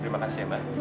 terima kasih mbak